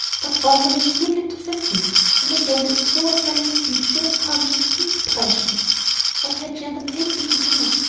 But wonderment yielded to fatigue, and again as Clover fell asleep she was conscious of a deep depression. What had she undertaken to do?